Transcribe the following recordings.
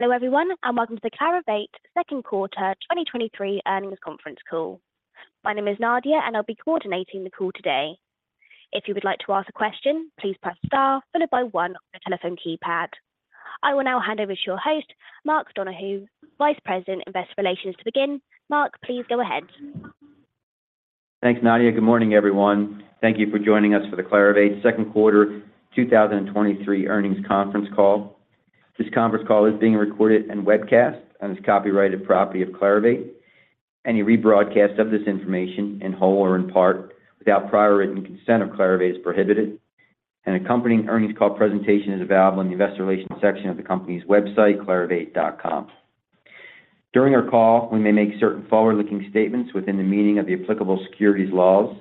Hello, everyone, and welcome to the Clarivate Q2 2023 Earnings Conference Call. My name is Nadia, and I'll be coordinating the call today. If you would like to ask a question, please press Star followed by 1 on your telephone keypad. I will now hand over to your host, Mark Donohue, Vice President, Investor Relations, to begin. Mark, please go ahead. Thanks, Nadia. Good morning, everyone. Thank you for joining us for the Clarivate Q2 2023 earnings conference call. This conference call is being recorded and webcast and is copyrighted property of Clarivate. Any rebroadcast of this information, in whole or in part, without prior written consent of Clarivate is prohibited. An accompanying earnings call presentation is available in the Investor Relations section of the company's website, clarivate.com. During our call, we may make certain forward-looking statements within the meaning of the applicable securities laws.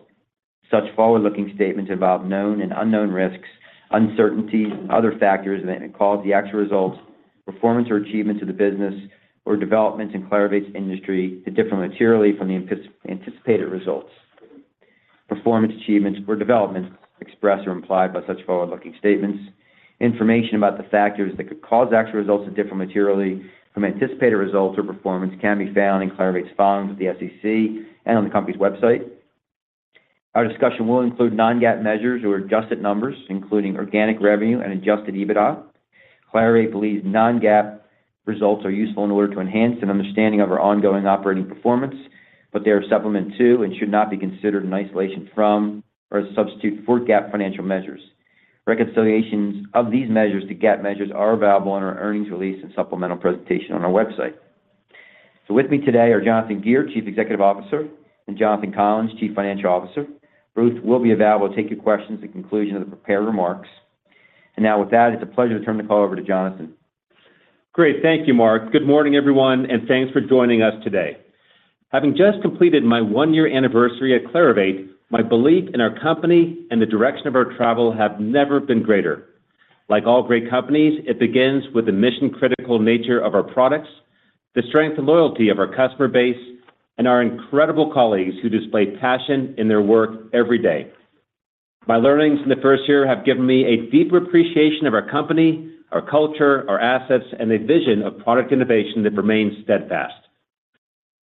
Such forward-looking statements involve known and unknown risks, uncertainties, and other factors that may cause the actual results, performance or achievements of the business or developments in Clarivate's industry to differ materially from the anticipated results, performance, achievements or developments expressed or implied by such forward-looking statements. Information about the factors that could cause actual results to differ materially from anticipated results or performance can be found in Clarivate's filings with the SEC and on the company's website. Our discussion will include non-GAAP measures or adjusted numbers, including organic revenue and adjusted EBITDA. Clarivate believes non-GAAP results are useful in order to enhance an understanding of our ongoing operating performance, but they are supplement to and should not be considered in isolation from or as a substitute for GAAP financial measures. Reconciliations of these measures to GAAP measures are available on our earnings release and supplemental presentation on our website. With me today are Jonathan Gear, Chief Executive Officer, and Jonathan Collins, Chief Financial Officer. Both will be available to take your questions at the conclusion of the prepared remarks. Now, with that, it's a pleasure to turn the call over to Jonathan. Great. Thank you, Mark. Good morning, everyone, thanks for joining us today. Having just completed my one-year anniversary at Clarivate, my belief in our company and the direction of our travel have never been greater. Like all great companies, it begins with the mission-critical nature of our products, the strength and loyalty of our customer base, and our incredible colleagues who display passion in their work every day. My learnings in the first year have given me a deeper appreciation of our company, our culture, our assets, and a vision of product innovation that remains steadfast.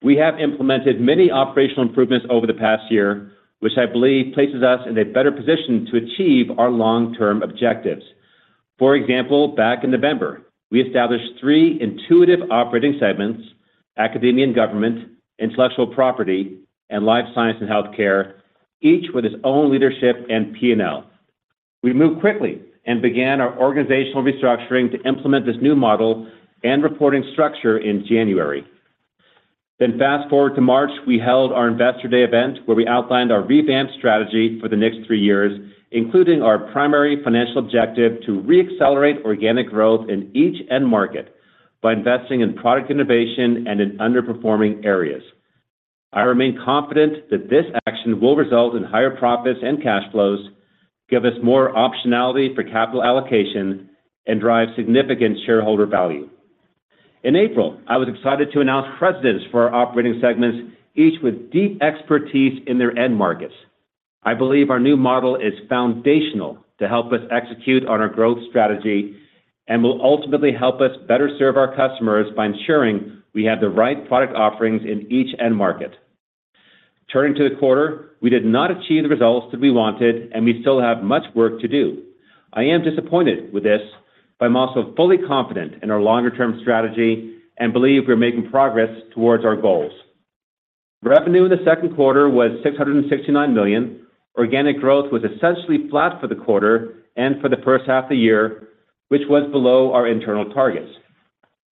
We have implemented many operational improvements over the past year, which I believe places us in a better position to achieve our long-term objectives. For example, back in November, we established three intuitive operating segments, Academia & Government, Intellectual Property, and Life Sciences & Healthcare, each with its own leadership and PNL. We moved quickly and began our organizational restructuring to implement this new model and reporting structure in January. Fast forward to March, we held our Investor Day event, where we outlined our revamped strategy for the next three years, including our primary financial objective to re-accelerate organic growth in each end market by investing in product innovation and in underperforming areas. I remain confident that this action will result in higher profits and cash flows, give us more optionality for capital allocation, and drive significant shareholder value. In April, I was excited to announce presidents for our operating segments, each with deep expertise in their end markets. I believe our new model is foundational to help us execute on our growth strategy and will ultimately help us better serve our customers by ensuring we have the right product offerings in each end market. Turning to the quarter, we did not achieve the results that we wanted, and we still have much work to do. I am disappointed with this, but I'm also fully confident in our longer-term strategy and believe we're making progress towards our goals. Revenue in the Q2 was $669 million. Organic growth was essentially flat for the quarter and for the first half of the year, which was below our internal targets.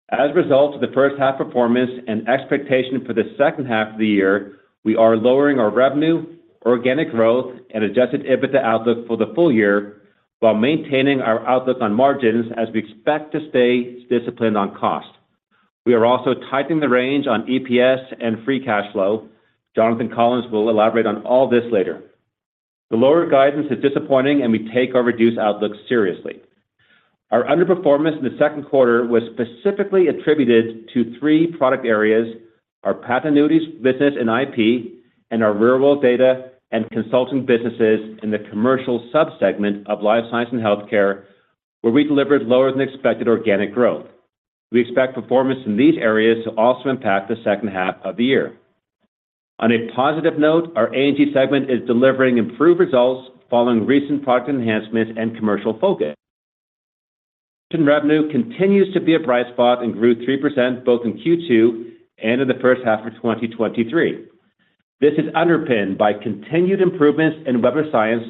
As a result of the first half performance and expectation for the second half of the year, we are lowering our revenue, organic growth, and adjusted EBITDA outlook for the full year, while maintaining our outlook on margins as we expect to stay disciplined on cost. We are also tightening the range on EPS and free cash flow. Jonathan Collins will elaborate on all this later. The lower guidance is disappointing, and we take our reduced outlook seriously. Our underperformance in the Q2 was specifically attributed to three product areas: our patent annuities business in IP, and our real-world data and consulting businesses in the commercial subsegment of Life Sciences & Healthcare, where we delivered lower than expected organic growth. We expect performance in these areas to also impact the second half of the year. On a positive note, our A&G segment is delivering improved results following recent product enhancements and commercial focus. Revenue continues to be a bright spot and grew 3% both in Q2 and in the first half of 2023. This is underpinned by continued improvements in Web of Science,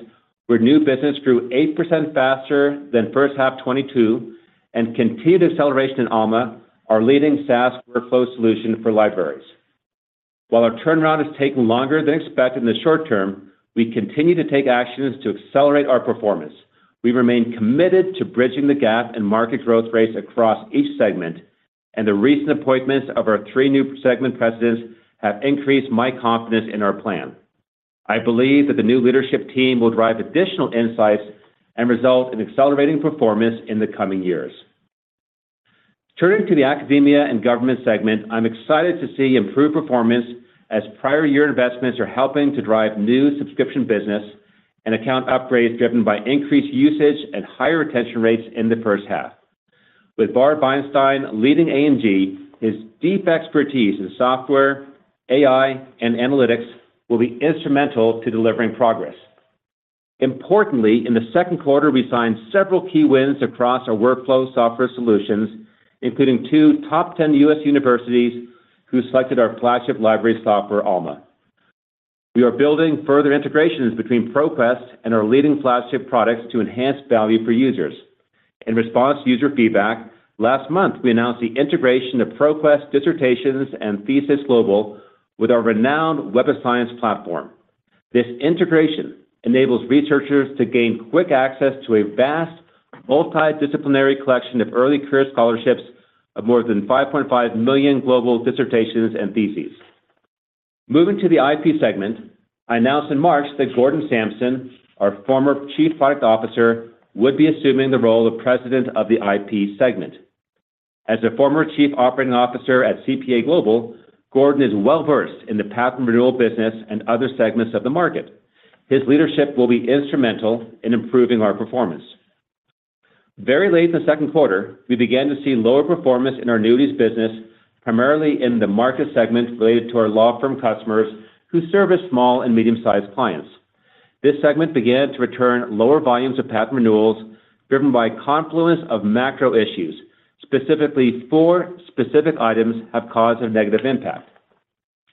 where new business grew 8% faster than first half 2022, and continued acceleration in Alma, our leading SaaS workflow solution for libraries. While our turnaround has taken longer than expected in the short term, we continue to take actions to accelerate our performance. We remain committed to bridging the gap in market growth rates across each segment, and the recent appointments of our three new segment presidents have increased my confidence in our plan. I believe that the new leadership team will drive additional insights and result in accelerating performance in the coming years. Turning to the Academia & Government segment, I'm excited to see improved performance as prior year investments are helping to drive new subscription business.... and account upgrades driven by increased usage and higher retention rates in the first half. With Bar Veinstein leading A&G, his deep expertise in software, AI, and analytics will be instrumental to delivering progress. Importantly, in the Q2, we signed several key wins across our workflow software solutions, including two top 10 U.S. universities who selected our flagship library software, Alma. We are building further integrations between ProQuest and our leading flagship products to enhance value for users. In response to user feedback, last month, we announced the integration of ProQuest Dissertations & Theses Global with our renowned Web of Science platform. This integration enables researchers to gain quick access to a vast, multidisciplinary collection of early career scholarships of more than 5.5 million global dissertations and theses. Moving to the IP segment, I announced in March that Gordon Samson, our former Chief Product Officer, would be assuming the role of President of the IP segment. As a former Chief Operating Officer at CPA Global, Gordon is well-versed in the patent renewal business and other segments of the market. His leadership will be instrumental in improving our performance. Very late in the Q2, we began to see lower performance in our annuities business, primarily in the market segment related to our law firm customers who service small and medium-sized clients. This segment began to return lower volumes of patent renewals driven by a confluence of macro issues. Specifically, four specific items have caused a negative impact.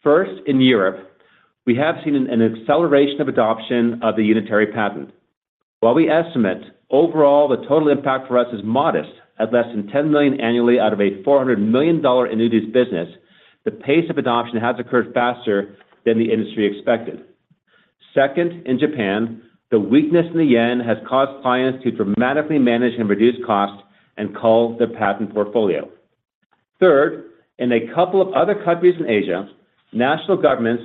First, in Europe, we have seen an acceleration of adoption of the Unitary Patent. While we estimate overall the total impact for us is modest, at less than $10 million annually out of a $400 million annuities business, the pace of adoption has occurred faster than the industry expected. Second, in Japan, the weakness in the yen has caused clients to dramatically manage and reduce costs and cull their patent portfolio. Third, in a couple of other countries in Asia, national governments,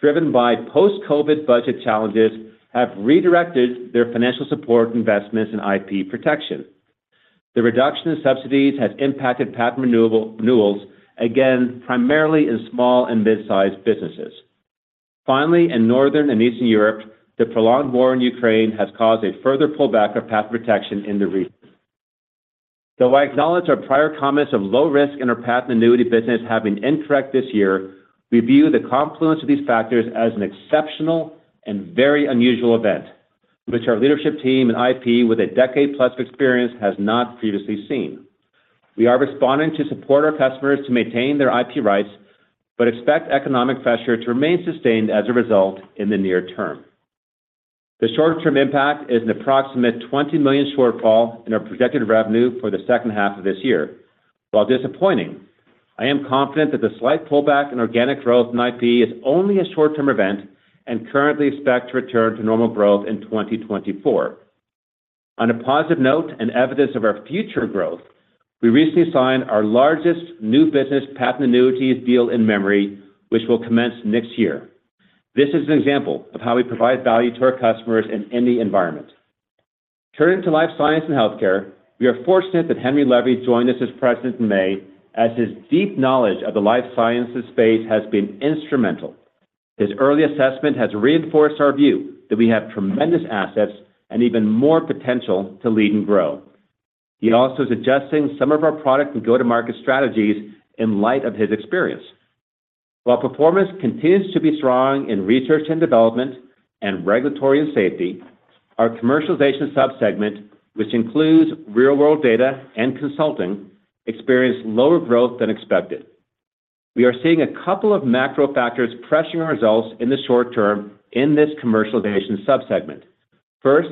driven by post-COVID budget challenges, have redirected their financial support investments in IP protection. The reduction in subsidies has impacted patent renewals, again, primarily in small and mid-sized businesses. Finally, in Northern and Eastern Europe, the prolonged war in Ukraine has caused a further pullback of patent protection in the region. Though I acknowledge our prior comments of low risk in our patent annuity business have been incorrect this year, we view the confluence of these factors as an exceptional and very unusual event, which our leadership team in IP, with a decade-plus of experience, has not previously seen. We are responding to support our customers to maintain their IP rights, but expect economic pressure to remain sustained as a result in the near term. The short-term impact is an approximate $20 million shortfall in our projected revenue for the second half of this year. While disappointing, I am confident that the slight pullback in organic growth in IP is only a short-term event and currently expect to return to normal growth in 2024. On a positive note and evidence of our future growth, we recently signed our largest new business patent annuities deal in memory, which will commence next year. This is an example of how we provide value to our customers in any environment. Turning to Life Sciences & Healthcare, we are fortunate that Henry Levy joined us as President in May, as his deep knowledge of the life sciences space has been instrumental. His early assessment has reinforced our view that we have tremendous assets and even more potential to lead and grow. He also is adjusting some of our product and go-to-market strategies in light of his experience. While performance continues to be strong in research and development and regulatory and safety, our commercialization subsegment, which includes real-world data and consulting, experienced lower growth than expected. We are seeing a couple of macro factors pressing our results in the short term in this commercialization subsegment. First,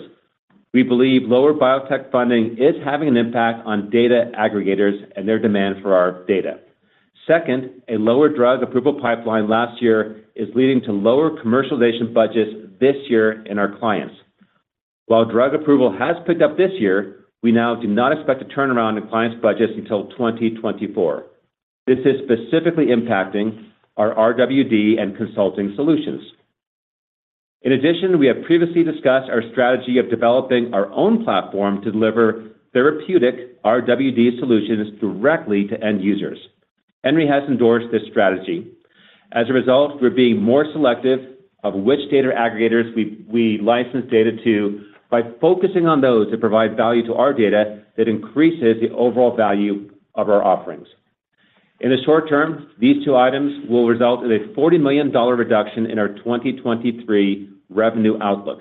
we believe lower biotech funding is having an impact on data aggregators and their demand for our data. Second, a lower drug approval pipeline last year is leading to lower commercialization budgets this year in our clients. While drug approval has picked up this year, we now do not expect a turnaround in clients' budgets until 2024. This is specifically impacting our RWD and consulting solutions. In addition, we have previously discussed our strategy of developing our own platform to deliver therapeutic RWD solutions directly to end users. Henry has endorsed this strategy. As a result, we're being more selective of which data aggregators we license data to by focusing on those that provide value to our data that increases the overall value of our offerings. In the short term, these two items will result in a $40 million reduction in our 2023 revenue outlook.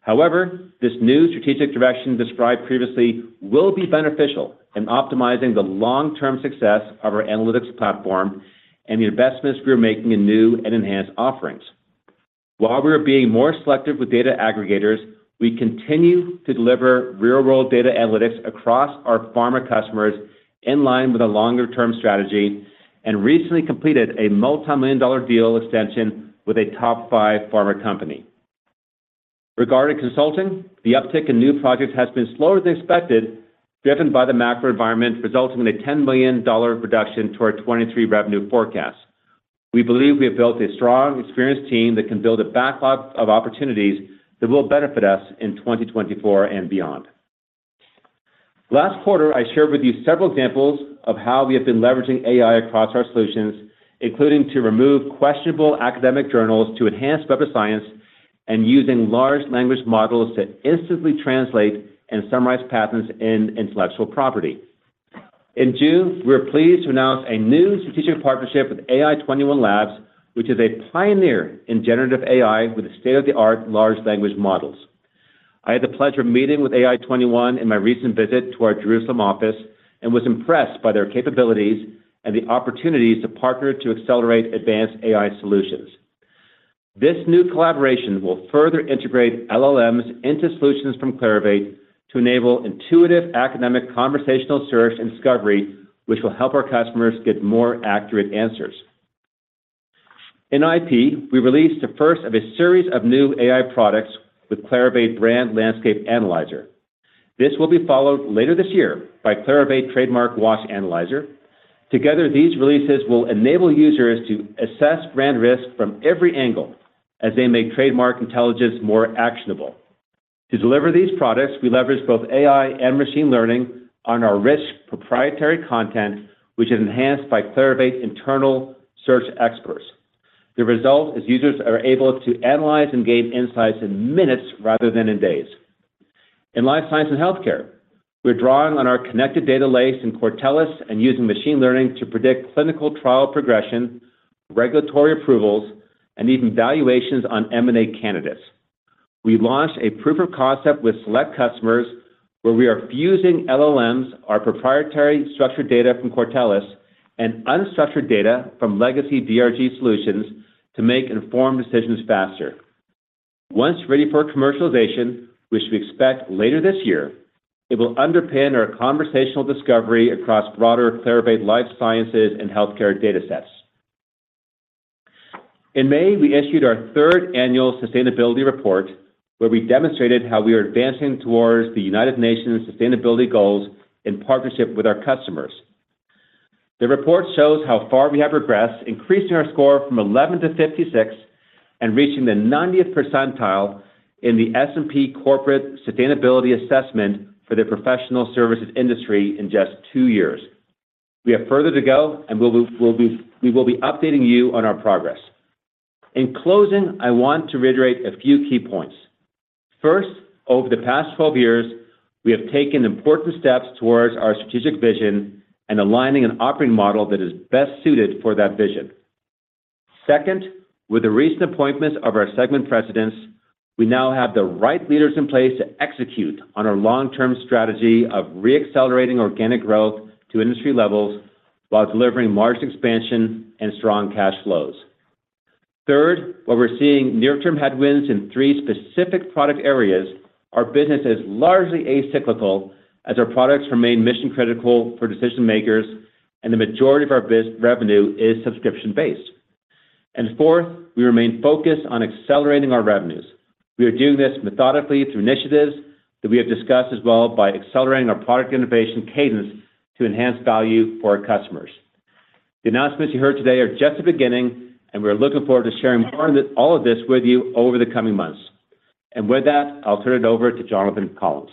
However, this new strategic direction described previously will be beneficial in optimizing the long-term success of our analytics platform and the investments we are making in new and enhanced offerings. While we are being more selective with data aggregators, we continue to deliver real-world data analytics across our pharma customers in line with a longer-term strategy, and recently completed a multimillion-dollar deal extension with a top five pharma company. Regarding consulting, the uptick in new projects has been slower than expected, driven by the macro environment, resulting in a $10 million reduction to our 2023 revenue forecast. We believe we have built a strong, experienced team that can build a backlog of opportunities that will benefit us in 2024 and beyond. Last quarter, I shared with you several examples of how we have been leveraging AI across our solutions, including to remove questionable academic journals to enhance better science and using Large Language Models to instantly translate and summarize patents and intellectual property. In June, we were pleased to announce a new strategic partnership with AI21 Labs, which is a pioneer in generative AI with state-of-the-art large language models. I had the pleasure of meeting with AI21 in my recent visit to our Jerusalem office and was impressed by their capabilities and the opportunities to partner to accelerate advanced AI solutions. This new collaboration will further integrate LLMs into solutions from Clarivate to enable intuitive academic conversational search and discovery, which will help our customers get more accurate answers. In IP, we released the first of a series of new AI products with Clarivate Brand Landscape Analyzer. This will be followed later this year by Clarivate Trademark Watch Analyzer. Together, these releases will enable users to assess brand risk from every angle as they make trademark intelligence more actionable. To deliver these products, we leverage both AI and machine learning on our rich, proprietary content, which is enhanced by Clarivate's internal search experts. The result is users are able to analyze and gain insights in minutes rather than in days. In Life Sciences & Healthcare, we're drawing on our connected data lake in Cortellis and using machine learning to predict clinical trial progression, regulatory approvals, and even valuations on M&A candidates. We launched a proof of concept with select customers, where we are fusing LLMs, our proprietary structured data from Cortellis, and unstructured data from legacy DRG solutions to make informed decisions faster. Once ready for commercialization, which we expect later this year, it will underpin our conversational discovery across broader Clarivate Life Sciences & Healthcare datasets. In May, we issued our third annual sustainability report, where we demonstrated how we are advancing towards the United Nations sustainability goals in partnership with our customers. The report shows how far we have progressed, increasing our score from 11 to 56 and reaching the 90th percentile in the S&P Corporate Sustainability Assessment for the professional services industry in just two years. We have further to go, and we will be updating you on our progress. In closing, I want to reiterate a few key points. First, over the past 12 years, we have taken important steps towards our strategic vision and aligning an operating model that is best suited for that vision. Second, with the recent appointments of our segment presidents, we now have the right leaders in place to execute on our long-term strategy of re-accelerating organic growth to industry levels while delivering large expansion and strong cash flows. Third, while we're seeing near-term headwinds in three specific product areas, our business is largely acyclical as our products remain mission-critical for decision-makers, and the majority of our revenue is subscription-based. Fourth, we remain focused on accelerating our revenues. We are doing this methodically through initiatives that we have discussed, as well by accelerating our product innovation cadence to enhance value for our customers. The announcements you heard today are just the beginning, and we are looking forward to sharing more of this, all of this with you over the coming months. With that, I'll turn it over to Jonathan Collins.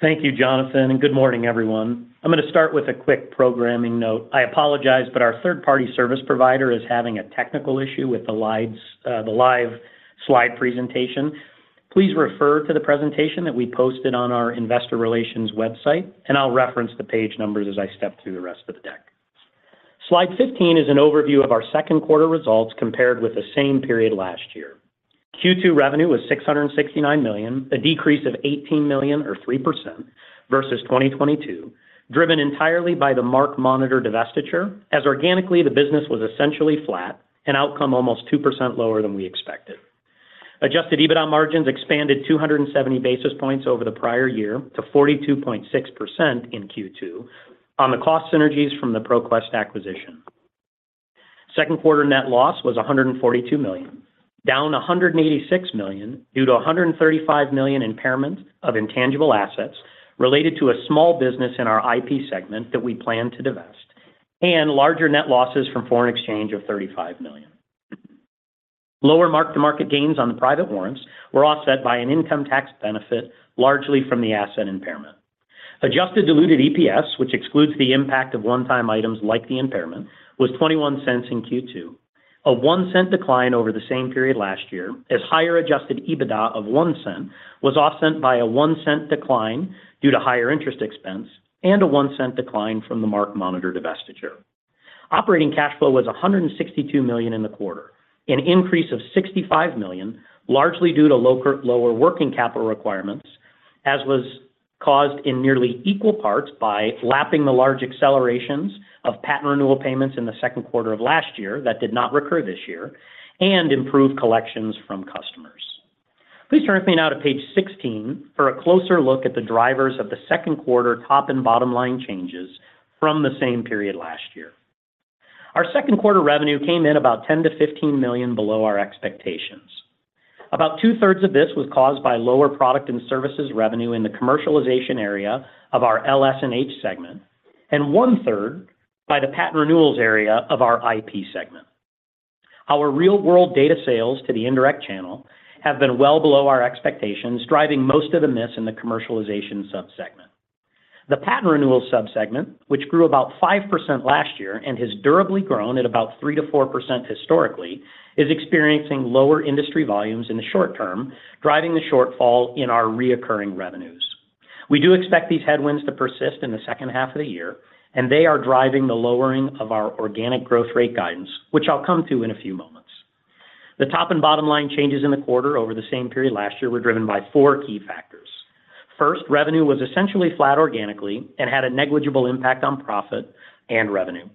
Thank you, Jonathan, and good morning, everyone. I'm going to start with a quick programming note. I apologize, but our third-party service provider is having a technical issue with the lives, the live slide presentation. Please refer to the presentation that we posted on our investor relations website, and I'll reference the page numbers as I step through the rest of the deck. Slide 15 is an overview of our Q2 results compared with the same period last year. Q2 revenue was $669 million, a decrease of $18 million or 3% versus 2022, driven entirely by the MarkMonitor divestiture, as organically, the business was essentially flat, an outcome almost 2% lower than we expected. Adjusted EBITDA margins expanded 270 basis points over the prior year to 42.6% in Q2 on the cost synergies from the ProQuest acquisition. Q2 net loss was $142 million, down $186 million due to a $135 million impairment of intangible assets related to a small business in our IP segment that we plan to divest, and larger net losses from foreign exchange of $35 million. Lower mark-to-market gains on the private warrants were offset by an income tax benefit, largely from the asset impairment. Adjusted diluted EPS, which excludes the impact of one-time items like the impairment, was $0.21 in Q2. A $0.01 decline over the same period last year, as higher adjusted EBITDA of $0.01, was offset by a $0.01 decline due to higher interest expense and a $0.01 decline from the MarkMonitor divestiture. Operating cash flow was $162 million in the quarter, an increase of $65 million, largely due to lower working capital requirements, as was caused in nearly equal parts by lapping the large accelerations of patent renewal payments in the Q2 of last year that did not recur this year, and improved collections from customers. Please turn with me now to page 16 for a closer look at the drivers of the Q2 top and bottom line changes from the same period last year. Our Q2 revenue came in about $10 million-$15 million below our expectations. About two-thirds of this was caused by lower product and services revenue in the commercialization area of our LS&H segment, and one-third by the patent renewals area of our IP segment. Our real-world data sales to the indirect channel have been well below our expectations, driving most of the miss in the commercialization sub-segment. The patent renewal sub-segment, which grew about 5% last year and has durably grown at about 3%-4% historically, is experiencing lower industry volumes in the short term, driving the shortfall in our recurring revenues. We do expect these headwinds to persist in the second half of the year, and they are driving the lowering of our organic growth rate guidance, which I'll come to in a few moments. The top and bottom line changes in the quarter over the same period last year were driven by four key factors. Revenue was essentially flat organically and had a negligible impact on profit and revenue.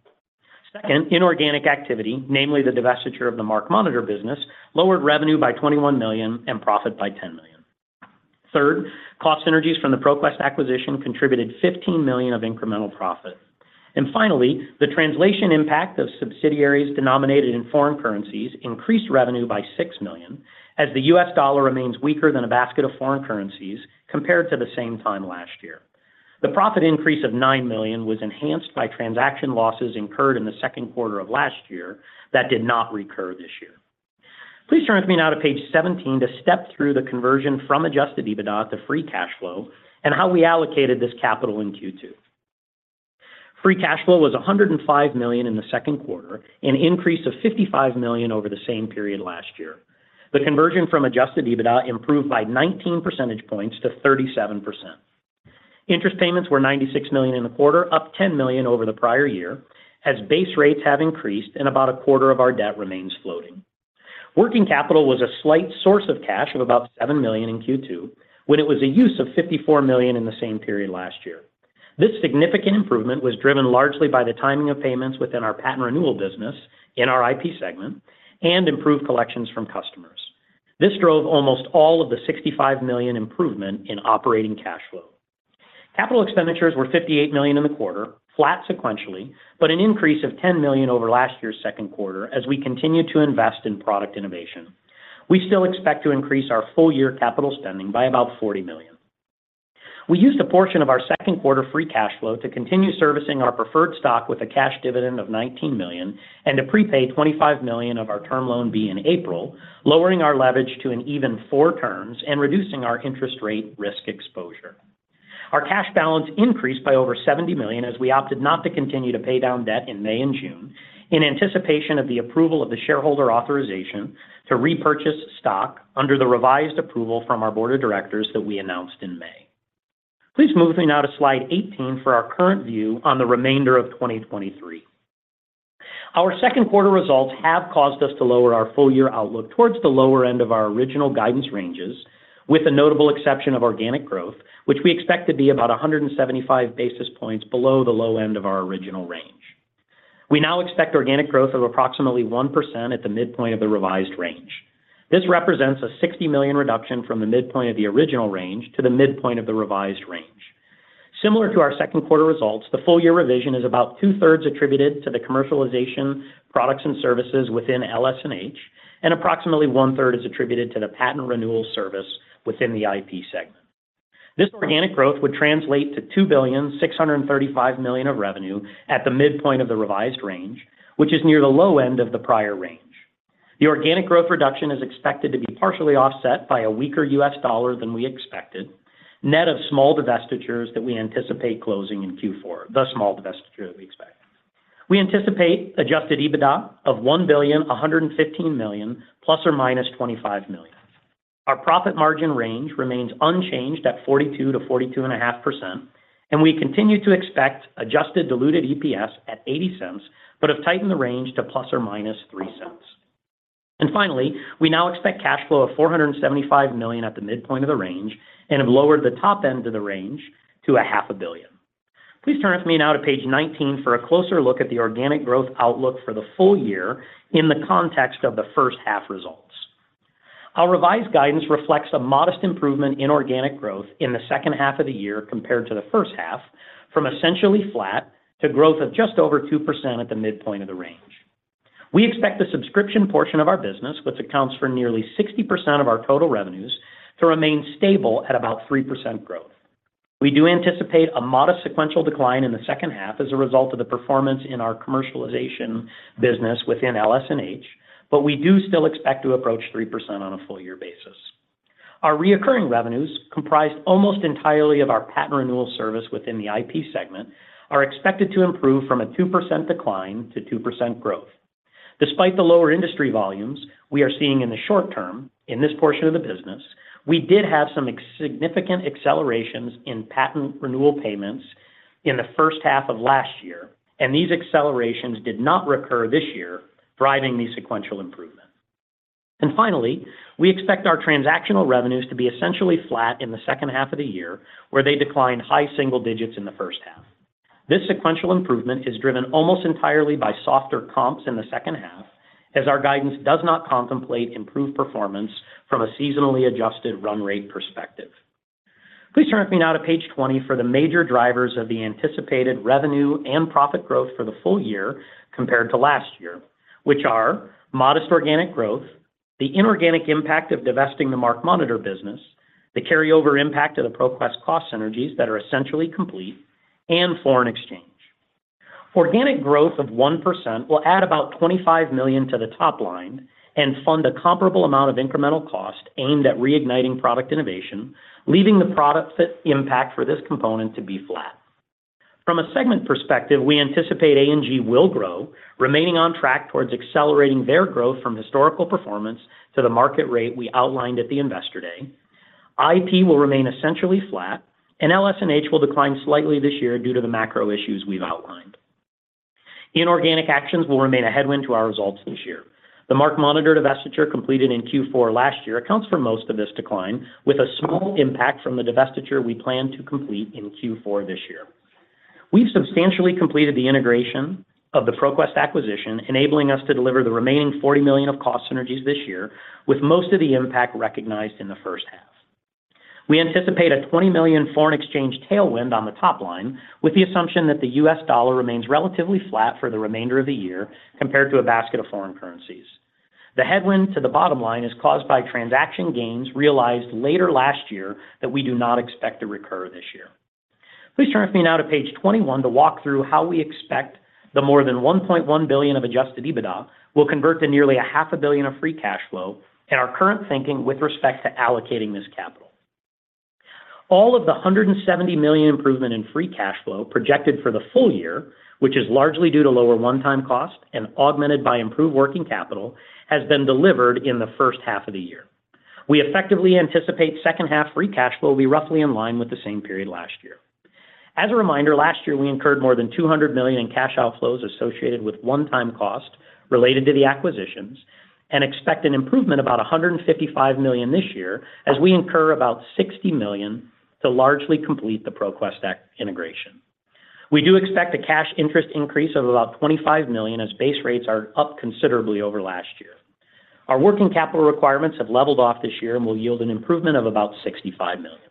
Inorganic activity, namely the divestiture of the MarkMonitor business, lowered revenue by $21 million and profit by $10 million. Cost synergies from the ProQuest acquisition contributed $15 million of incremental profit. Finally, the translation impact of subsidiaries denominated in foreign currencies increased revenue by $6 million, as the U.S. dollar remains weaker than a basket of foreign currencies compared to the same time last year. The profit increase of $9 million was enhanced by transaction losses incurred in the Q2 of last year that did not recur this year. Please turn with me now to page 17 to step through the conversion from adjusted EBITDA to free cash flow and how we allocated this capital in Q2. Free cash flow was $105 million in the Q2, an increase of $55 million over the same period last year. The conversion from adjusted EBITDA improved by 19 percentage points to 37%. Interest payments were $96 million in the quarter, up $10 million over the prior year, as base rates have increased and about a quarter of our debt remains floating. Working capital was a slight source of cash of about $7 million in Q2, when it was a use of $54 million in the same period last year. This significant improvement was driven largely by the timing of payments within our patent renewal business in our IP segment and improved collections from customers. This drove almost all of the $65 million improvement in operating cash flow. Capital expenditures were $58 million in the quarter, flat sequentially, but an increase of $10 million over last year's Q2 as we continued to invest in product innovation. We still expect to increase our full-year capital spending by about $40 million. We used a portion of our Q2 free cash flow to continue servicing our preferred stock with a cash dividend of $19 million and to prepay $25 million of our Term Loan B in April, lowering our leverage to an even 4 turns and reducing our interest rate risk exposure. Our cash balance increased by over $70 million as we opted not to continue to pay down debt in May and June, in anticipation of the approval of the shareholder authorization to repurchase stock under the revised approval from our board of directors that we announced in May. Please move me now to slide 18 for our current view on the remainder of 2023. Our Q2 results have caused us to lower our full-year outlook towards the lower end of our original guidance ranges, with the notable exception of organic growth, which we expect to be about 175 basis points below the low end of our original range. We now expect organic growth of approximately 1% at the midpoint of the revised range. This represents a $60 million reduction from the midpoint of the original range to the midpoint of the revised range. Similar to our Q2 results, the full-year revision is about two-thirds attributed to the commercialization products and services within LS&H, and approximately one-third is attributed to the patent renewal service within the IP segment. This organic growth would translate to $2.635 billion of revenue at the midpoint of the revised range, which is near the low end of the prior range. The organic growth reduction is expected to be partially offset by a weaker U.S. dollar than we expected, net of small divestitures that we anticipate closing in Q4, the small divestiture that we expect. We anticipate adjusted EBITDA of $1.115 billion ±$25 million. Our profit margin range remains unchanged at 42%-42.5%, and we continue to expect adjusted diluted EPS at $0.80, but have tightened the range to ±$0.03. Finally, we now expect cash flow of $475 million at the midpoint of the range and have lowered the top end of the range to $500 million. Please turn with me now to page 19 for a closer look at the organic growth outlook for the full year in the context of the first half results. Our revised guidance reflects a modest improvement in organic growth in the second half of the year compared to the first half, from essentially flat to growth of just over 2% at the midpoint of the range. We expect the subscription portion of our business, which accounts for nearly 60% of our total revenues, to remain stable at about 3% growth. We do anticipate a modest sequential decline in the second half as a result of the performance in our commercialization business within LS&H, but we do still expect to approach 3% on a full year basis. Our reoccurring revenues, comprised almost entirely of our patent renewal service within the IP segment, are expected to improve from a 2% decline to 2% growth. Despite the lower industry volumes we are seeing in the short term in this portion of the business, we did have some significant accelerations in patent renewal payments in the first half of last year, and these accelerations did not recur this year, driving the sequential improvement. Finally, we expect our transactional revenues to be essentially flat in the second half of the year, where they declined high single digits in the first half. This sequential improvement is driven almost entirely by softer comps in the second half, as our guidance does not contemplate improved performance from a seasonally adjusted run rate perspective. Please turn with me now to page 20 for the major drivers of the anticipated revenue and profit growth for the full year compared to last year, which are modest organic growth, the inorganic impact of divesting the MarkMonitor business, the carryover impact of the ProQuest cost synergies that are essentially complete, and foreign exchange. Organic growth of 1% will add about $25 million to the top line and fund a comparable amount of incremental cost aimed at reigniting product innovation, leaving the product fit impact for this component to be flat. From a segment perspective, we anticipate A&G will grow, remaining on track towards accelerating their growth from historical performance to the market rate we outlined at the Investor Day. IP will remain essentially flat, LS&H will decline slightly this year due to the macro issues we've outlined. Inorganic actions will remain a headwind to our results this year. The MarkMonitor divestiture completed in Q4 last year accounts for most of this decline, with a small impact from the divestiture we plan to complete in Q4 this year. We've substantially completed the integration of the ProQuest acquisition, enabling us to deliver the remaining $40 million of cost synergies this year, with most of the impact recognized in the first half. We anticipate a $20 million foreign exchange tailwind on the top line, with the assumption that the U.S. dollar remains relatively flat for the remainder of the year compared to a basket of foreign currencies. The headwind to the bottom line is caused by transaction gains realized later last year that we do not expect to recur this year. Please turn with me now to page 21 to walk through how we expect the more than $1.1 billion of adjusted EBITDA will convert to nearly $500 million of free cash flow and our current thinking with respect to allocating this capital. All of the $170 million improvement in free cash flow projected for the full year, which is largely due to lower one-time cost and augmented by improved working capital, has been delivered in the first half of the year. We effectively anticipate second half free cash flow will be roughly in line with the same period last year. As a reminder, last year, we incurred more than $2 million in cash outflows associated with one-time cost related to the acquisitions and expect an improvement about $155 million this year, as we incur about $60 million to largely complete the ProQuest act integration. We do expect a cash interest increase of about $25 million as base rates are up considerably over last year. Our working capital requirements have leveled off this year and will yield an improvement of about $65 million.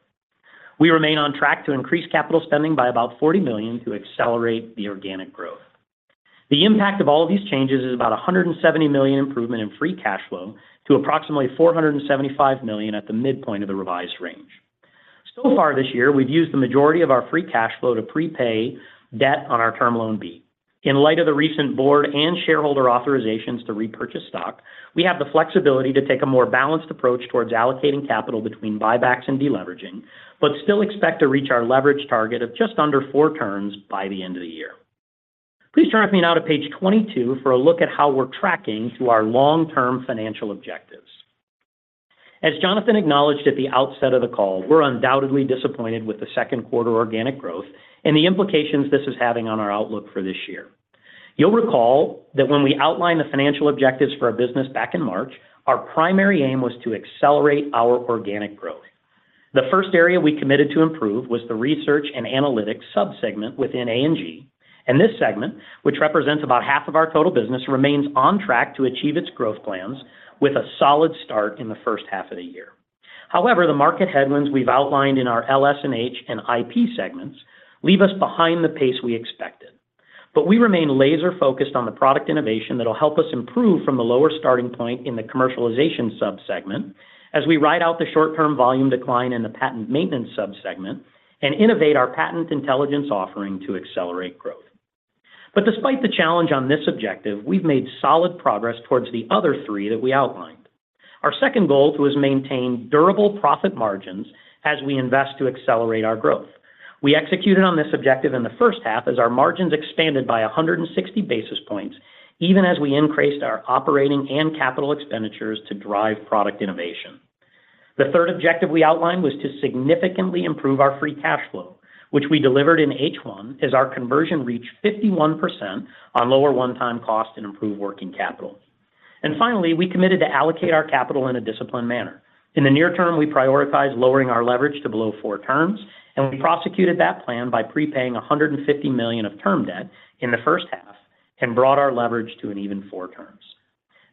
We remain on track to increase capital spending by about $40 million to accelerate the organic growth. The impact of all these changes is about a $170 million improvement in free cash flow to approximately $475 million at the midpoint of the revised range. So far this year, we've used the majority of our free cash flow to prepay debt on our Term Loan B. In light of the recent board and shareholder authorizations to repurchase stock, we have the flexibility to take a more balanced approach towards allocating capital between buybacks and deleveraging, but still expect to reach our leverage target of just under 4 turns by the end of the year. Please turn with me now to page 22 for a look at how we're tracking to our long-term financial objectives. As Jonathan acknowledged at the outset of the call, we're undoubtedly disappointed with the Q2 organic growth and the implications this is having on our outlook for this year. You'll recall that when we outlined the financial objectives for our business back in March, our primary aim was to accelerate our organic growth. The first area we committed to improve was the research and analytics subsegment within A&G, and this segment, which represents about half of our total business, remains on track to achieve its growth plans with a solid start in the first half of the year. The market headwinds we've outlined in our LS&H and IP segments leave us behind the pace we expected. We remain laser-focused on the product innovation that will help us improve from the lower starting point in the commercialization subsegment as we ride out the short-term volume decline in the patent maintenance subsegment and innovate our patent intelligence offering to accelerate growth. Despite the challenge on this objective, we've made solid progress towards the other three that we outlined. Our second goal was to maintain durable profit margins as we invest to accelerate our growth. We executed on this objective in the first half as our margins expanded by 160 basis points, even as we increased our OpEx and CapEx to drive product innovation. The third objective we outlined was to significantly improve our free cash flow, which we delivered in H1 as our conversion reached 51% on lower one-time cost and improved working capital. Finally, we committed to allocate our capital in a disciplined manner. In the near term, we prioritized lowering our leverage to below four turns, and we prosecuted that plan by prepaying $150 million of term debt in the first half and brought our leverage to an even four turns.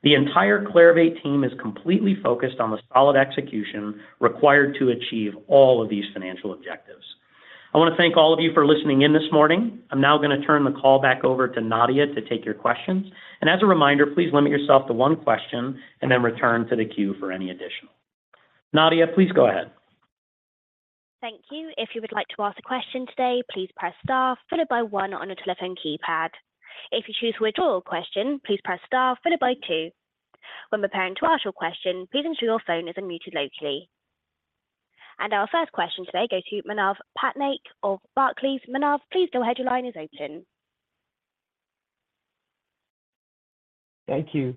The entire Clarivate team is completely focused on the solid execution required to achieve all of these financial objectives. I want to thank all of you for listening in this morning. I'm now gonna turn the call back over to Nadia to take your questions. As a reminder, please limit yourself to one question and then return to the queue for any additional. Nadia, please go ahead. Thank you. If you would like to ask a question today, please press star followed by 1 on your telephone keypad. If you choose to withdraw a question, please press star followed by 2. When preparing to ask your question, please ensure your phone is unmuted locally. Our first question today goes to Manav Patnaik of Barclays. Manav, please go ahead. Your line is open. Thank you.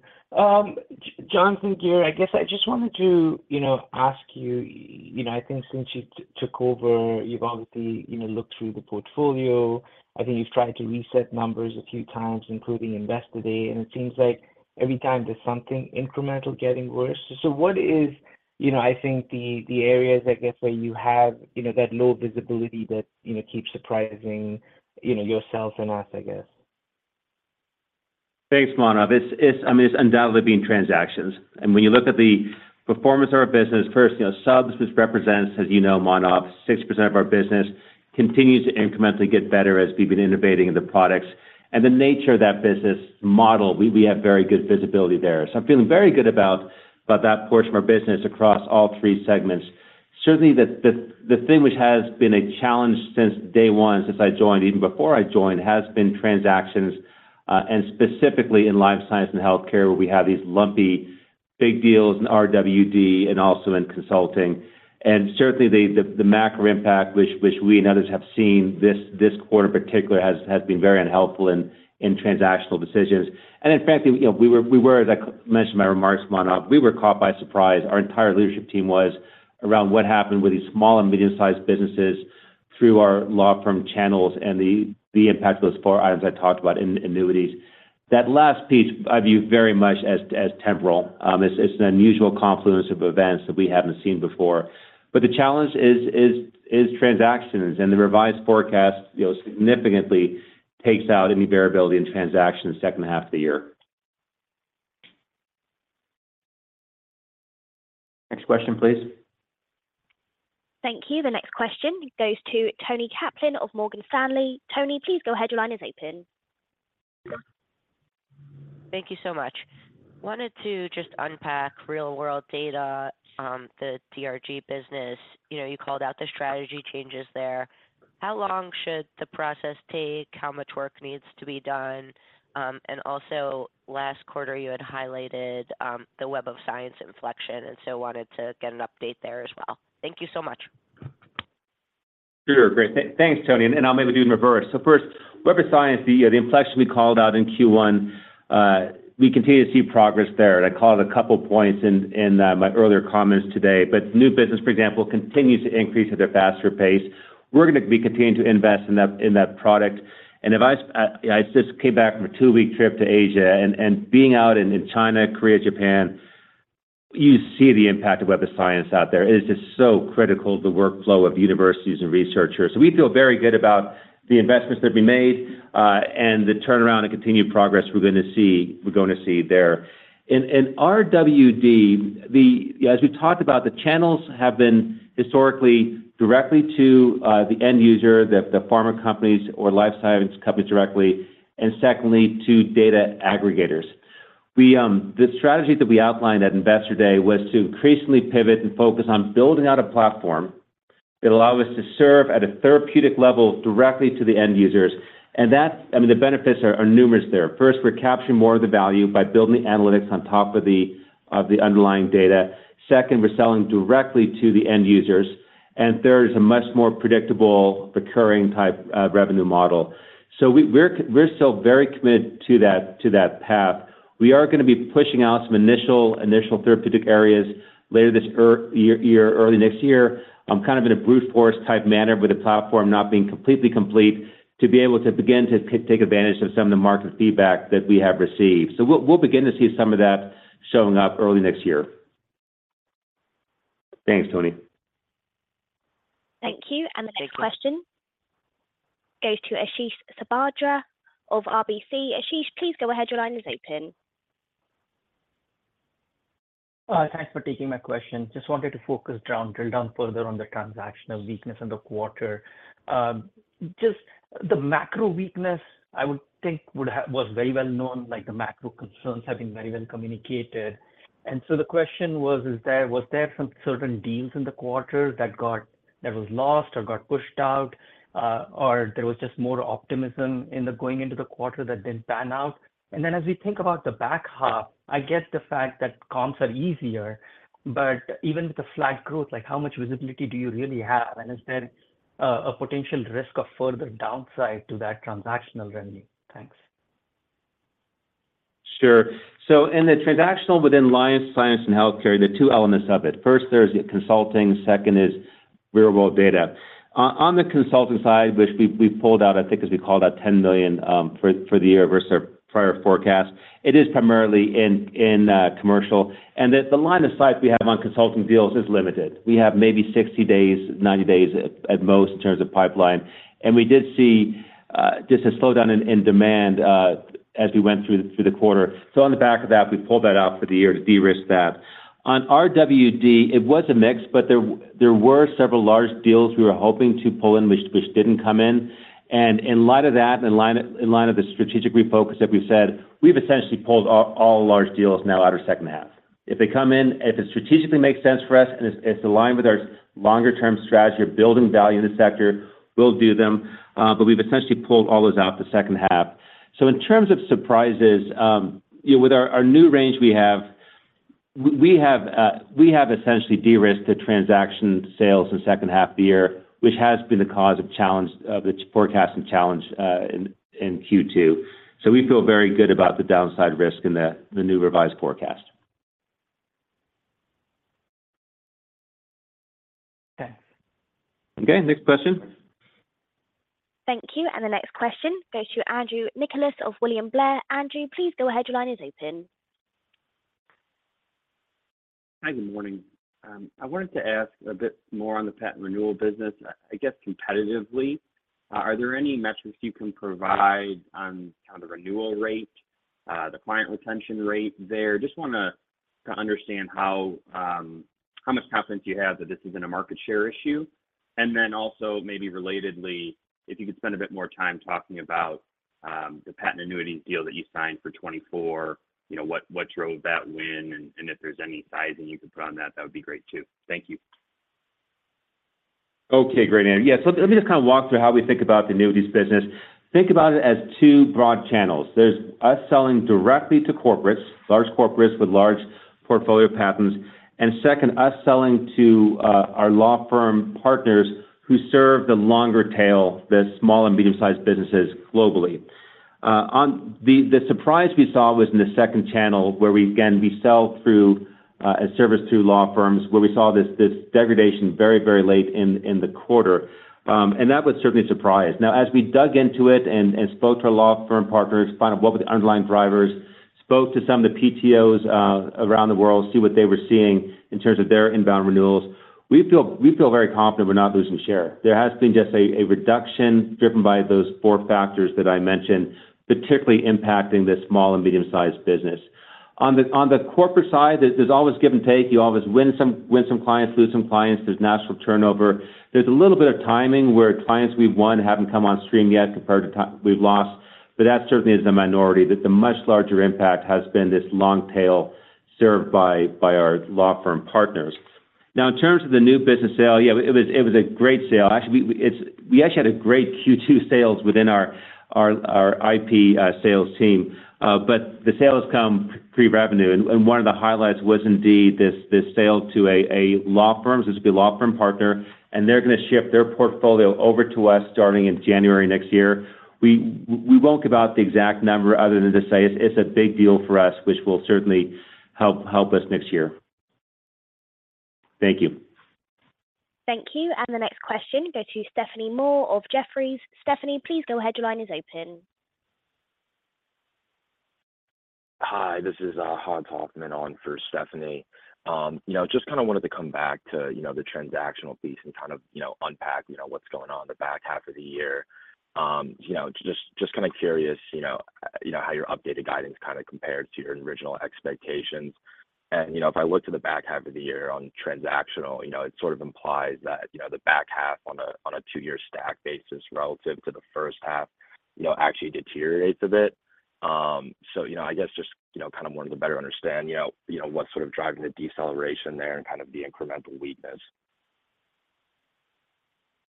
Jonathan, here, I guess I just wanted to, you know, ask you, you know, I think since you took over, you've obviously, you know, looked through the portfolio. I think you've tried to reset numbers a few times, including Investor Day, and it seems like every time there's something incremental getting worse. What is, you know, I think the, the areas, I guess, where you have, you know, that low visibility that, you know, keeps surprising, you know, yourselves and us, I guess? Thanks, Manav. I mean, it's undoubtedly been transactions. When you look at the performance of our business, first, you know, subs, this represents, as you know, Manav, 6% of our business continues to incrementally get better as we've been innovating in the products. The nature of that business model, we, we have very good visibility there. So I'm feeling very good about, about that portion of our business across all three segments. Certainly, the, the, the thing which has been a challenge since day one, since I joined, even before I joined, has been transactions, and specifically in Life Sciences & Healthcare, where we have these lumpy big deals in RWD and also in consulting. Certainly, the, the, the macro impact which, which we and others have seen this, this quarter in particular, has, has been very unhelpful in, in transactional decisions. In fact, you know, we were, we were, as I mentioned in my remarks, Manav, we were caught by surprise. Our entire leadership team was around what happened with these small and medium-sized businesses through our law firm channels and the impact of those four items I talked about in annuities. That last piece I view very much as, as temporal. It's an unusual confluence of events that we haven't seen before. The challenge is transactions, and the revised forecast, you know, significantly takes out any variability in transactions in the second half of the year. Next question, please. Thank you. The next question goes to Toni Kaplan of Morgan Stanley. Toni, please go ahead. Your line is open. Thank you so much. Wanted to just unpack real-world data, the DRG business. You know, you called out the strategy changes there. How long should the process take? How much work needs to be done? Also, last quarter you had highlighted, the Web of Science inflection, wanted to get an update there as well. Thank you so much. Sure. Great. Thanks, Toni. I'll maybe do in reverse. First, Web of Science, the inflection we called out in Q1, we continue to see progress there. I called out a couple points in my earlier comments today, but new business, for example, continues to increase at a faster pace. We're gonna be continuing to invest in that, in that product. If I, I just came back from a two-week trip to Asia, being out in China, Korea, Japan, you see the impact of Web of Science out there. It is just so critical to the workflow of universities and researchers. We feel very good about the investments that we made, and the turnaround and continued progress we're gonna see, we're going to see there. In RWD, the...As we talked about, the channels have been historically directly to, the end user, the, the pharma companies or life science companies directly, and secondly, to data aggregators. We, the strategy that we outlined at Investor Day was to increasingly pivot and focus on building out a platform that allow us to serve at a therapeutic level directly to the end users, I mean, the benefits are, are numerous there. First, we're capturing more of the value by building the analytics on top of the, of the underlying data. Second, we're selling directly to the end users. Third, is a much more predictable, recurring type of revenue model. We're still very committed to that, to that path. We are gonna be pushing out some initial, initial therapeutic areas later this year, early next year, kind of in a brute force type manner, with the platform not being completely complete, to be able to begin to take advantage of some of the market feedback that we have received. We'll, we'll begin to see some of that showing up early next year. Thanks, Toni. Thank you. Thanks. The next question goes to Ashish Sabadra of RBC. Ashish, please go ahead. Your line is open. Thanks for taking my question. Just wanted to focus down, drill down further on the transactional weakness in the quarter. Just the macro weakness, I would think was very well known, like the macro concerns have been very well communicated. So the question was, is there, was there some certain deals in the quarter that was lost or got pushed out, or there was just more optimism in the going into the quarter that didn't pan out? Then as we think about the back half, I guess the fact that comps are easier, but even with the flat growth, like how much visibility do you really have? Is there, a potential risk of further downside to that transactional revenue? Thanks. Sure. In the transactional within Life Sciences & Healthcare, there are two elements of it. First, there's the consulting, second is real-world data. On the consulting side, which we, we pulled out, I think, as we called out $10 million for the year versus our prior forecast, it is primarily in commercial, and the line of sight we have on consulting deals is limited. We have maybe 60 days, 90 days at most, in terms of pipeline. We did see just a slowdown in demand as we went through the quarter. On the back of that, we pulled that out for the year to de-risk that. On RWD, it was a mix, but there were several large deals we were hoping to pull in, which didn't come in. In light of that, in line, in line of the strategic refocus that we've said, we've essentially pulled all, all large deals now out of second half. If they come in, if it strategically makes sense for us and it's, it's aligned with our longer-term strategy of building value in the sector, we'll do them, but we've essentially pulled all those out the second half. In terms of surprises, you know, with our, our new range we have, we have essentially de-risked the transaction sales in the second half of the year, which has been the cause of challenge, of the forecast and challenge, in Q2. We feel very good about the downside risk in the, the new revised forecast. Okay. Okay, next question? Thank you. The next question goes to Andrew Nicholas of William Blair. Andrew, please go ahead. Your line is open. Hi, good morning. I wanted to ask a bit more on the patent renewal business. I, I guess competitively, are there any metrics you can provide on kind of renewal rate?... the client retention rate there, just wanna, to understand how, how much confidence you have that this isn't a market share issue? Then also, maybe relatedly, if you could spend a bit more time talking about, the patent annuities deal that you signed for 2024, you know, what, what drove that win? And if there's any sizing you could put on that, that would be great, too. Thank you. Okay, great, Andrew. Yes, so let me just kind of walk through how we think about the annuities business. Think about it as two broad channels. There's us selling directly to corporates, large corporates with large portfolio patents, and second, us selling to our law firm partners who serve the longer tail, the small and medium-sized businesses globally. The surprise we saw was in the second channel, where we, again, we sell through a service to law firms, where we saw this, this degradation very, very late in, in the quarter. That was certainly a surprise. Now, as we dug into it and spoke to our law firm partners, find out what were the underlying drivers, spoke to some of the PTOs around the world, see what they were seeing in terms of their inbound renewals. We feel, we feel very confident we're not losing share. There has been just a, a reduction driven by those four factors that I mentioned, particularly impacting the small and medium-sized business. On the, on the corporate side, there's, there's always give and take. You always win some, win some clients, lose some clients. There's natural turnover. There's a little bit of timing, where clients we've won haven't come on stream yet compared to we've lost, but that certainly is the minority. The, the much larger impact has been this long tail served by, by our law firm partners. Now, in terms of the new business sale, yeah, it was, it was a great sale. Actually, it's... We actually had a great Q2 sales within our, our, our IP sales team. The sales come pre-revenue, and one of the highlights was indeed this sale to a law firm. This would be a law firm partner, and they're gonna ship their portfolio over to us starting in January next year. We won't give out the exact number other than to say it's, it's a big deal for us, which will certainly help, help us next year. Thank you. Thank you. The next question goes to Stephanie Moore of Jefferies. Stephanie, please go ahead. Your line is open. Hi, this is Hans Hoffman on for Stephanie. You know, just kind of wanted to come back to, you know, the transactional piece and kind of, you know, unpack, you know, what's going on in the back half of the year. You know, just, just kind of curious, you know, you know, how your updated guidance kind of compares to your original expectations. You know, if I look to the back half of the year on transactional, you know, it sort of implies that, you know, the back half on a, on a two-year stack basis relative to the first half, you know, actually deteriorates a bit. You know, I guess just, you know, kind of wanted to better understand, you know, you know, what's sort of driving the deceleration there and kind of the incremental weakness.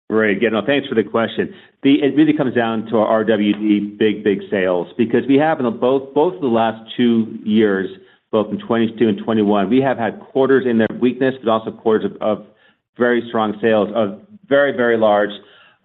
Great. Again, thanks for the question. It really comes down to our RWD big, big sales, because we have in both, both of the last two years, both in 2022 and 2021, we have had quarters in their weakness, but also quarters of, of very strong sales, of very, very large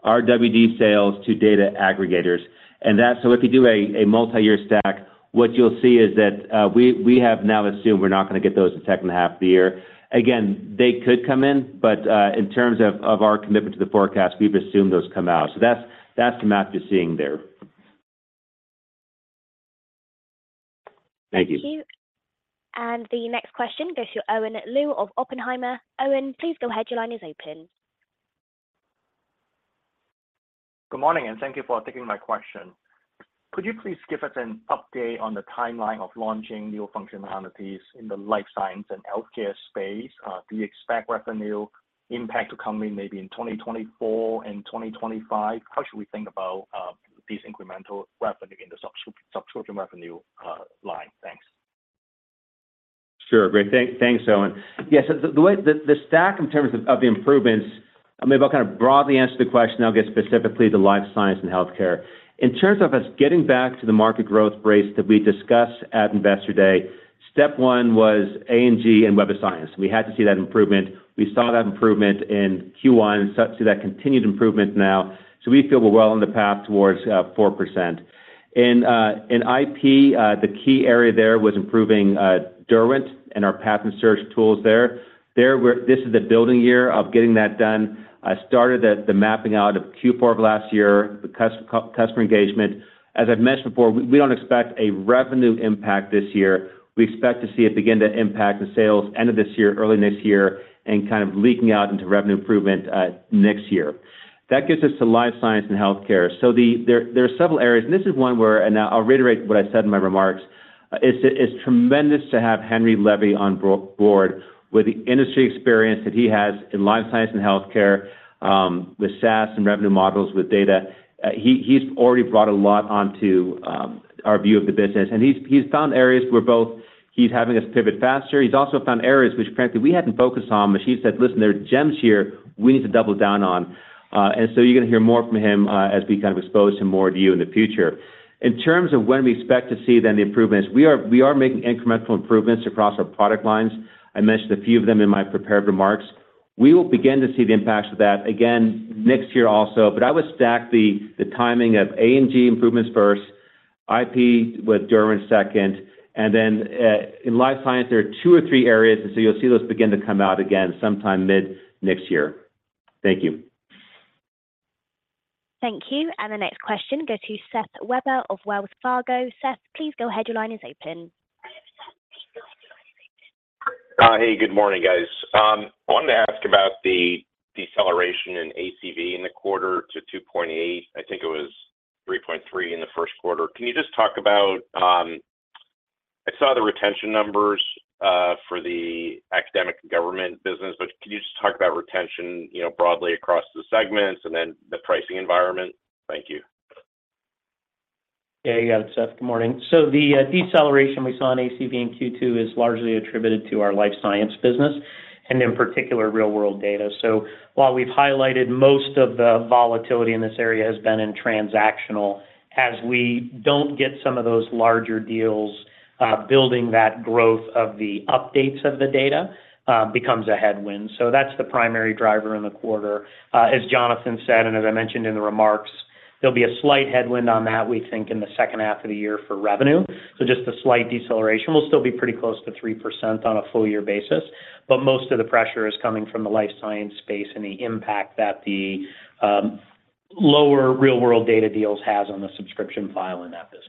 RWD sales to data aggregators. If you do a, a multi-year stack, what you'll see is that, we, we have now assumed we're not gonna get those the second half of the year. Again, they could come in, but, in terms of, of our commitment to the forecast, we've assumed those come out. That's, that's the math you're seeing there. Thank you. Thank you. The next question goes to Owen Lau of Oppenheimer. Owen, please go ahead. Your line is open. Good morning, and thank you for taking my question. Could you please give us an update on the timeline of launching new functionalities in the Life Sciences & Healthcare space? Do you expect revenue impact to come in maybe in 2024 and 2025? How should we think about these incremental revenue in the subscription revenue line? Thanks. Sure. Great. Thanks, Owen. The way the stack in terms of the improvements, maybe I'll kind of broadly answer the question, then I'll get specifically to the Life Sciences & Healthcare. In terms of us getting back to the market growth rates that we discussed at Investor Day, step 1 was A&G and Web of Science. We had to see that improvement. We saw that improvement in Q1. Set to that continued improvement now. We feel we're well on the path towards 4%. In IP, the key area there was improving Derwent and our patent search tools there. This is the building year of getting that done. I started the mapping out of Q4 of last year, the customer engagement. As I've mentioned before, we don't expect a revenue impact this year. We expect to see it begin to impact the sales end of this year, early next year, and kind of leaking out into revenue improvement, next year. There are several areas, and this is one where, and I'll reiterate what I said in my remarks, it's tremendous to have Henry Levy on board. With the industry experience that he has in Life Sciences & Healthcare, with SaaS and revenue models with data, he's already brought a lot onto our view of the business. He's, he's found areas where both he's having us pivot faster, he's also found areas which frankly we hadn't focused on, but he said: "Listen, there are gems here we need to double down on." So you're gonna hear more from him as we kind of expose him more to you in the future. In terms of when we expect to see then the improvements, we are, we are making incremental improvements across our product lines. I mentioned a few of them in my prepared remarks. We will begin to see the impacts of that, again, next year also, but I would stack the, the timing of A&G improvements first, IP with Derwent second, then in life science, there are two or three areas, so you'll see those begin to come out again sometime mid next year. Thank you. Thank you. The next question goes to Seth Weber of Wells Fargo. Seth, please go ahead. Your line is open. Hey, good morning, guys. I wanted to ask about the deceleration in ACV in the quarter to 2.8. I think it was 3.3 in the Q1. Can you just talk about? I saw the retention numbers for the Academia & Government business, but can you just talk about retention, you know, broadly across the segments and then the pricing environment? Thank you. Yeah, you got it, Seth. Good morning. The deceleration we saw in ACV in Q2 is largely attributed to our life science business, and in particular, real-world data. While we've highlighted most of the volatility in this area has been in transactional, as we don't get some of those larger deals, building that growth of the updates of the data, becomes a headwind. That's the primary driver in the quarter. As Jonathan said, and as I mentioned in the remarks, there'll be a slight headwind on that, we think, in the second half of the year for revenue. Just a slight deceleration. We'll still be pretty close to 3% on a full year basis, but most of the pressure is coming from the life science space and the impact that the lower real-world data deals has on the subscription file in that business.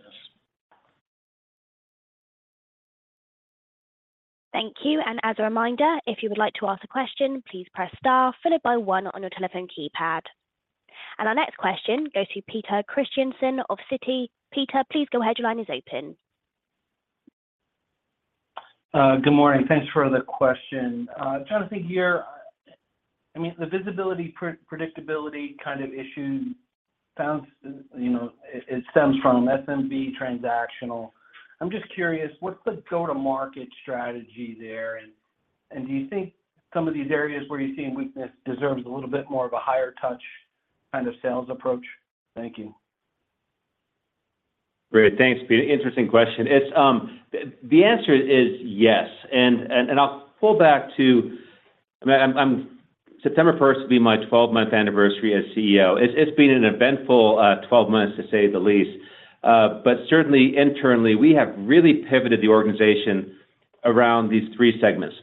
Thank you, and as a reminder, if you would like to ask a question, please press star followed by one on your telephone keypad. Our next question goes to Peter Christiansen of Citi. Peter, please go ahead. Your line is open. Good morning. Thanks for the question. Jonathan, here, I mean, the visibility, pre-predictability kind of issue sounds, you know, it stems from SMB transactional. I'm just curious, what's the go-to-market strategy there? Do you think some of these areas where you're seeing weakness deserves a little bit more of a higher touch kind of sales approach? Thank you. Great. Thanks, Peter. Interesting question. It's, the, the answer is yes, and I'll pull back to... I mean, September first will be my 12-month anniversary as CEO. It's been an eventful, 12 months, to say the least. Certainly internally, we have really pivoted the organization around these three segments.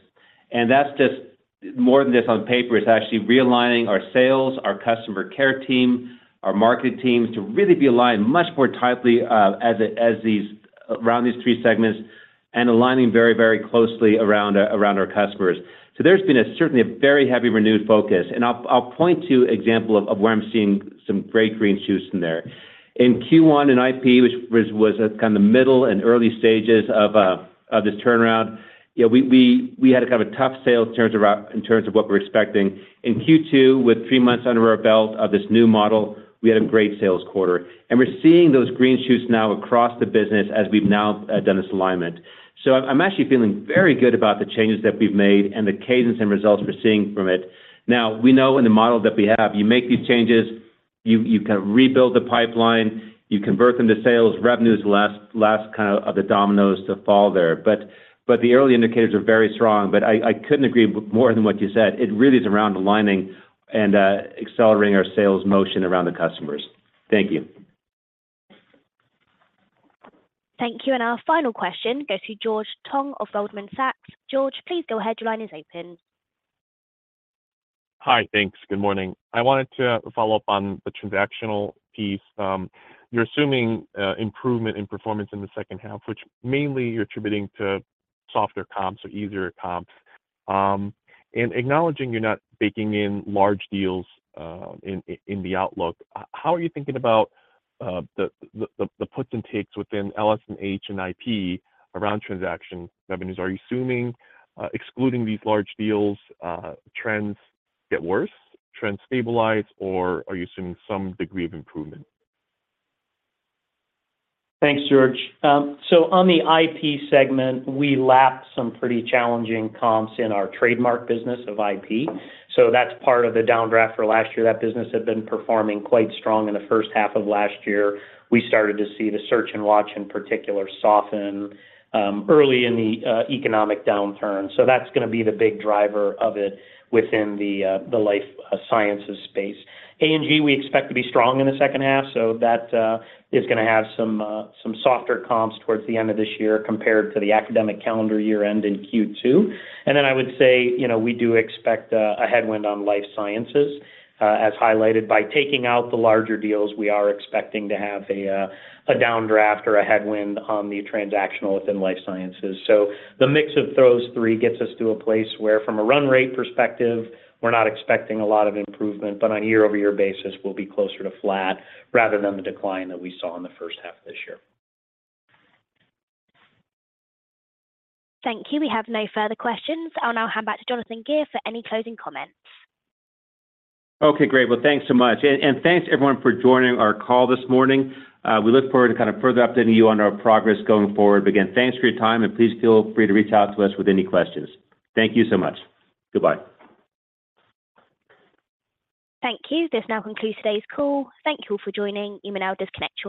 That's just more than just on paper, it's actually realigning our sales, our customer care team, our marketing teams, to really be aligned much more tightly, as these around these three segments, and aligning very, very closely around our customers. There's been a certainly a very heavy renewed focus, and I'll point to example of, of where I'm seeing some great green shoots in there. In Q1 and IP, which was, was, kind of the middle and early stages of this turnaround, you know, we, we, we had a kind of a tough sale in terms of what we're expecting. In Q2, with three months under our belt of this new model, we had a great sales quarter. We're seeing those green shoots now across the business as we've now done this alignment. I'm actually feeling very good about the changes that we've made and the cadence and results we're seeing from it. Now, we know in the model that we have, you make these changes, you, you kind of rebuild the pipeline, you convert them to sales. Revenue is the last, last kind of the dominoes to fall there. The early indicators are very strong, but I, I couldn't agree more than what you said. It really is around aligning and accelerating our sales motion around the customers. Thank you. Thank you. Our final question goes to George Tong of Goldman Sachs. George, please go ahead. Your line is open. Hi, thanks. Good morning. I wanted to follow up on the transactional piece. You're assuming improvement in performance in the second half, which mainly you're attributing to softer comps or easier comps. Acknowledging you're not baking in large deals, in, in the outlook, how are you thinking about the puts and takes within LS&H and IP around transaction revenues? Are you assuming, excluding these large deals, trends get worse, trends stabilize, or are you assuming some degree of improvement? Thanks, George. On the IP segment, we lapped some pretty challenging comps in our trademark business of IP, so that's part of the downdraft for last year. That business had been performing quite strong in the first half of last year. We started to see the search and watch, in particular, soften early in the economic downturn. That's gonna be the big driver of it within the life sciences space. A&G, we expect to be strong in the second half, so that is gonna have some softer comps towards the end of this year, compared to the academic calendar year end in Q2. I would say, you know, we do expect a headwind on life sciences as highlighted. By taking out the larger deals, we are expecting to have a downdraft or a headwind on the transactional within Life Sciences. The mix of those three gets us to a place where, from a run rate perspective, we're not expecting a lot of improvement, but on a year-over-year basis, we'll be closer to flat rather than the decline that we saw in the first half of this year. Thank you. We have no further questions. I'll now hand back to Jonathan Gear for any closing comments. Okay, great. Well, thanks so much. Thanks, everyone, for joining our call this morning. We look forward to kind of further updating you on our progress going forward. Again, thanks for your time, and please feel free to reach out to us with any questions. Thank you so much. Goodbye. Thank you. This now concludes today's call. Thank you all for joining. You may now disconnect your lines.